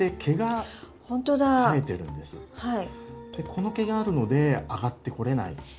この毛があるので上がってこれないんです。